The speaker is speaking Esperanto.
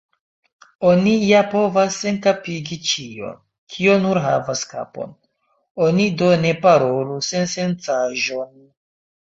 Oni ja povas senkapigi ĉion, kio nur havas kapon; oni do ne parolu sensencaĵon.